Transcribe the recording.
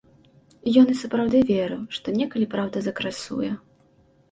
Ён і сапраўды верыў, што некалі праўда закрасуе.